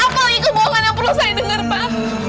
apa lagi kebohongan yang perlu saya denger pak